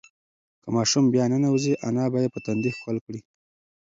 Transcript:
که ماشوم بیا ننوځي، انا به یې په تندي ښکل کړي.